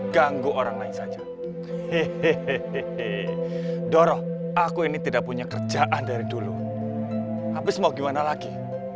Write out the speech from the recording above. ganggu orang lain saja hehehe dorong aku ini tidak punya kerjaan dari dulu habis mau gimana lagi